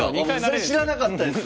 それ知らなかったです。